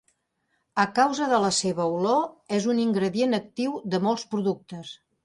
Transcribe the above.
A causa de la seva olor, és un ingredient actiu de molts productes.